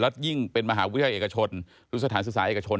แล้วยิ่งเป็นมหาวิทยาเอกชนรุศฐานศึกษาเอกชน